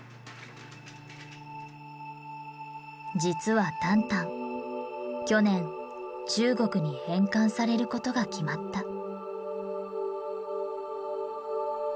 実はタンタン去年中国に返還されることが決まった。